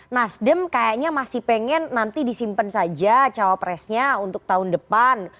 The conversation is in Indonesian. nasdem kayaknya masih pengen nanti disimpan saja cawapresnya untuk tahun depan